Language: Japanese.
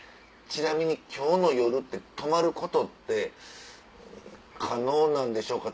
ちなみに今日の夜って泊まることって可能なんでしょうか？